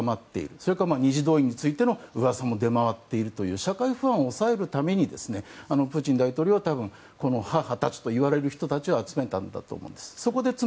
それから２次動員についての噂も出回っているという社会不安を抑えるためにプーチン大統領は多分、母たちといわれる人たちを集めたんだと思います。